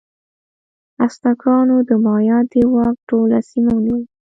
ازتکانو د مایا د واک ټوله سیمه ونیوله.